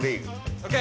・ＯＫ。